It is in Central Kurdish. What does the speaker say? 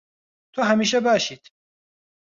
تۆ هەمیشە باشیت.